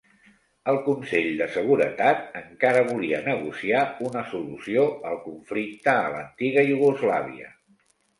El Consell de Seguretat encara volia negociar una solució al conflicte a l'antiga Iugoslàvia.